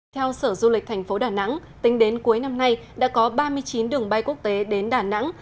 theo sở du lịch thành phố đà nẵng tính đến cuối năm nay đã có ba mươi chín đường bay quốc tế đến đà nẵng